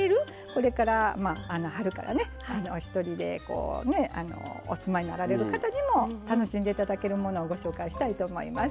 これから春からお一人でお住まいになられる方にも楽しんでいただけるものをご紹介したいと思います。